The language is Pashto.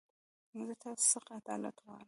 زه تاسو خڅه عدالت غواړم.